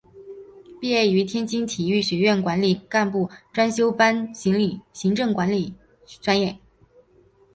毕业于天津体育学院管理干部专修班行政管理专业。